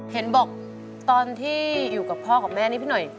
เห็นบอกตอนที่อยู่กับพ่อกับแม่นี่พี่หน่อย